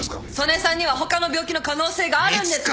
曽根さんには他の病気の可能性があるんです。